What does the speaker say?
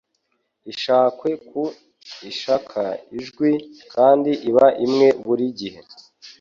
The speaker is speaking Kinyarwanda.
Ishakwe ni Ishaka ijwi ,kandi iba imwe buri gihe